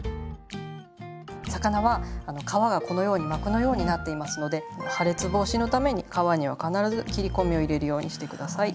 魚は皮がこのように膜のようになっていますので破裂防止のために皮には必ず切り込みを入れるようにして下さい。